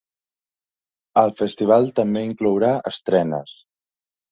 El festival també inclourà estrenes.